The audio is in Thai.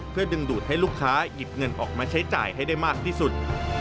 เพื่อดึงดูดให้ลูกค้าหยิบเงินออกมาใช้จ่ายให้ได้มากที่สุด